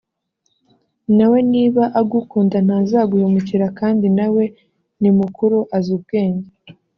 na we niba agukunda ntazaguhemukira kandi na we ni mukuru azi ubwenge